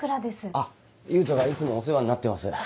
あっ勇人がいつもお世話になってます。